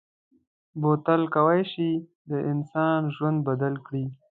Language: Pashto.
بوتل کولای شي د انسان ژوند بدل کړي.